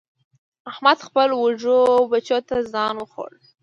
احمد خپلو وږو بچو ته ځان وخوړ.